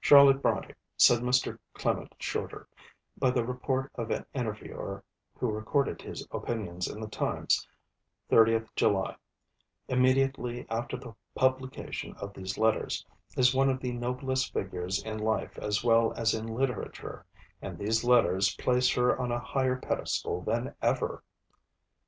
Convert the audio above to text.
'Charlotte Brontë,' said Mr. Clement Shorter, by the report of an interviewer who recorded his opinions in the Times, 30th July, immediately after the publication of these Letters, '_is one of the noblest figures in life as well as in literature; and these Letters place her on a higher pedestal than ever_.'